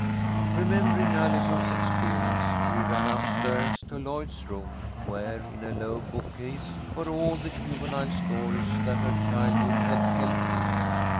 Remembering Allison's experience, she ran up stairs to Lloyd's room, where in a low bookcase were all the juvenile stories that her childhood had held dear.